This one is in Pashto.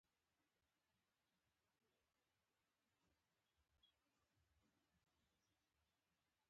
دځنګل حاصلات د افغانستان د جغرافیې یوه ښه بېلګه ده.